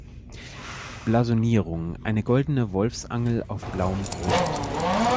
Blasonierung: Eine goldene Wolfsangel auf blauem Grund.